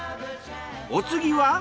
お次は？